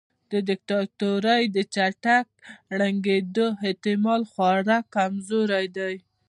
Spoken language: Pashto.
د دیکتاتورۍ د چټک ړنګیدو احتمال خورا کمزوری دی.